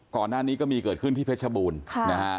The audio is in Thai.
ก่อนหน้านี้ก็มีเกิดขึ้นที่เพชรบูรณ์นะฮะ